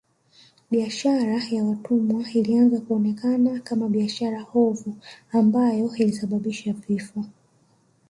Biashara ya watumwa ilianza kuonekana kama biashara ovu ambayo ilisababisha vifo